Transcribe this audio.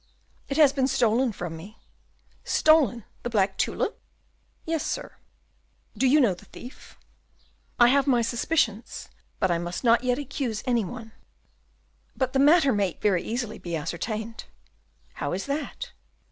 "It has been stolen from me." "Stolen! the black tulip?" "Yes, sir." "Do you know the thief?" "I have my suspicions, but I must not yet accuse any one." "But the matter may very easily be ascertained." "How is that?"